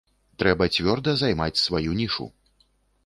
Трэба цвёрда займаць сваю нішу.